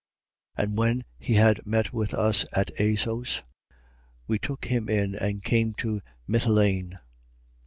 20:14. And when he had met with us at Assos, we took him in and came to Mitylene.